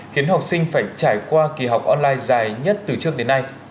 khiến học sinh phải trải qua kỳ học online dài nhất từ trước đến nay